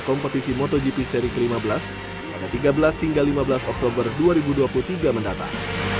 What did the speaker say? kompetisi motogp seri ke lima belas pada tiga belas hingga lima belas oktober dua ribu dua puluh tiga mendatang